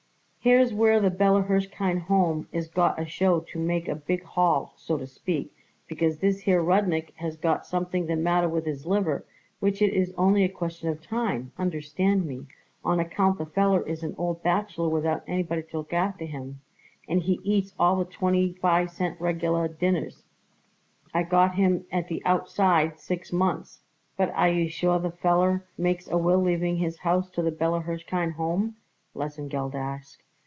"Here's where the Bella Hirshkind Home is got a show to make a big haul, so to speak, because this here Rudnik has got something the matter with his liver which it is only a question of time, understand me, on account the feller is an old bachelor without anybody to look after him, and he eats all the time twenty five cent regular dinners. I give him at the outside six months." "But are you sure the feller makes a will leaving his house to the Bella Hirshkind Home?" Lesengeld asked.